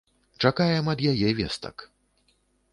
Чакаем ад яе вестак.